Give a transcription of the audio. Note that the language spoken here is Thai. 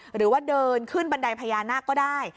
หรือว่าเดินขึ้นบันไดพญานาคก็ได้